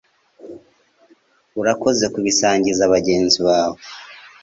urakoze kubisangiza bagenzi bawe